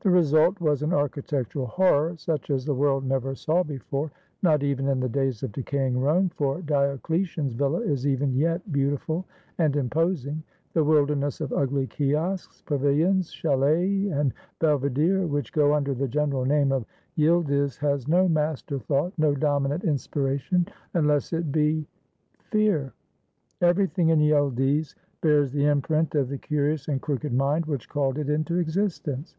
The result was an architectural horror such as the world never saw before, not even in the days of decaying Rome, for Diocletian's villa is even yet beautiful and imposing. The wilderness of ugly kiosks, pavilions, chalets, and belvederes which go under the general name of Yildiz has no master thought, no dominant inspiration, unless it be — Fear. Everything in Yildiz bears the imprint of the curious and crooked mind which called it into existence.